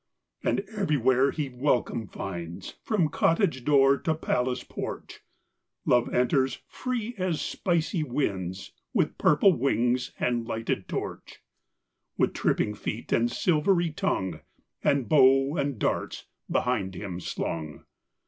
And everywhere he welcome finds, From cottage door to palace porch Love enters free as spicy winds, With purple wings and lighted torch, With tripping feet and silvery tongue, And bow and darts behind him slung.